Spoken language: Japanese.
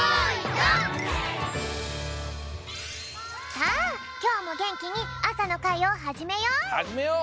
さあきょうもげんきにあさのかいをはじめよう！